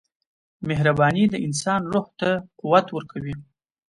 • مهرباني د انسان روح ته قوت ورکوي.